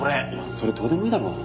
それどうでもいいだろ。